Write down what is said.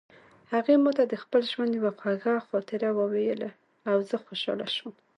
هغې ما ته د خپل ژوند یوه خوږه خاطره وویله او زه خوشحاله شوم